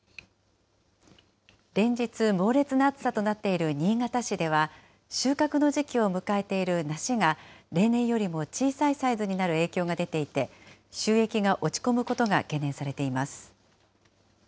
連日、猛烈な暑さとなっている新潟市では、収穫の時期を迎えているナシが、例年よりも小さいサイズになる影響が出ていて、収益が落ち込むことが懸念されています。